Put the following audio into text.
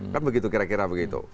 kan begitu kira kira begitu